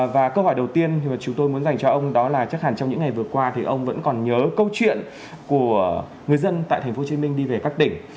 và câu hỏi đầu tiên chúng tôi muốn dành cho ông đó là chắc hẳn trong những ngày vừa qua thì ông vẫn còn nhớ câu chuyện của người dân tại thành phố hồ chí minh đi về các đỉnh